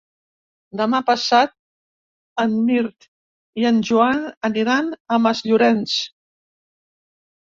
Demà passat en Mirt i en Joan aniran a Masllorenç.